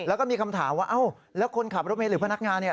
แล้วก็มีคำถามว่าเอ้าแล้วคนขับรถเมย์หรือพนักงานเนี่ย